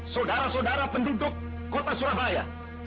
saudara saudara penduduk kota surabaya